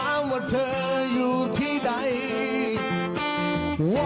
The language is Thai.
แต่ถ้าคุณให้ได้สนามกับคุณ